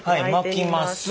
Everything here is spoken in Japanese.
巻きます。